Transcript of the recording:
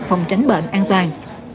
và tránh bệnh an toàn